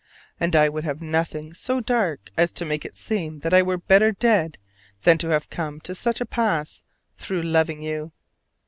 And I would have nothing so dark as to make it seem that I were better dead than to have come to such a pass through loving you.